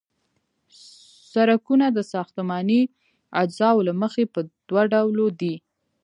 سرکونه د ساختماني اجزاوو له مخې په دوه ډلو دي